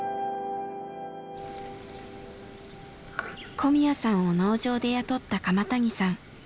小宮さんを農場で雇った鎌谷さん。